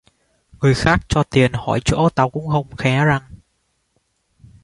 Người khác cho tiền hỏi chỗ tao cũng không hé răng